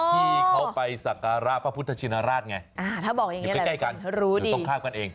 ที่เขาไปศักราบพระพุทธชินราชไงอยู่ใกล้กันอยู่ตรงข้างกันเอง